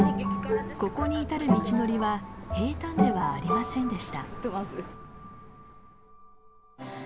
ここに至る道のりは平たんではありませんでした。